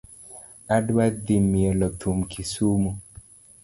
Adwa dhii mielo thum kisumu .